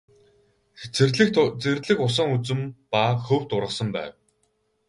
Цэцэрлэгт зэрлэг усан үзэм ба хөвд ургасан байв.